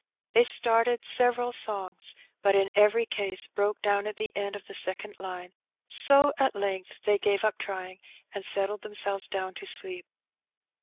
They started several songs^ but in every case broke down at the end of the second line^ so at length they gave up trying^ and settled themselves down to sleep.